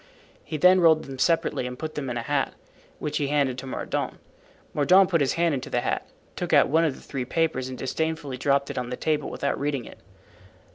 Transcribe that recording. He then rolled them separately and put them in a hat, which he handed to Mordaunt. Mordaunt put his hand into the hat, took out one of the three papers and disdainfully dropped it on the table without reading it.